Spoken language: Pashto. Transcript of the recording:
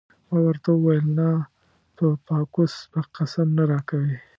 ما ورته وویل: نه په باکوس به قسم نه راکوې.